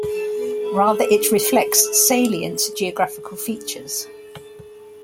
Rather, it reflects salient geographical features.